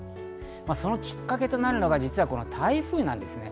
そのきっかけとなるのが実は台風なんですね。